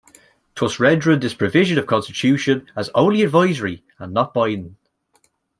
Thus rendering this provision of constitution as only advisory and not binding.